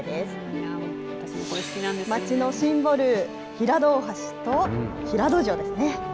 似合う、街のシンボル、平戸大橋と平戸城ですね。